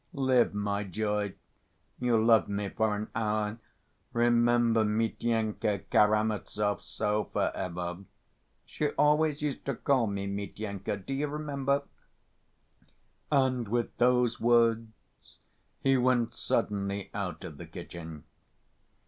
Live, my joy.... You loved me for an hour, remember Mityenka Karamazov so for ever.... She always used to call me Mityenka, do you remember?" And with those words he went suddenly out of the kitchen.